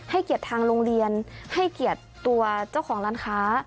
เกียรติทางโรงเรียนให้เกียรติตัวเจ้าของร้านค้า